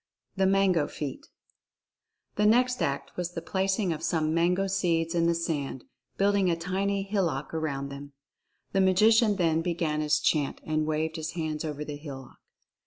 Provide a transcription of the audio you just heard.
THE MANGO FEAT. The next act was the placing of some mango seeds in the sand, building a tiny hillock around them. The Magician then began his chant and waved his hands over the hillock.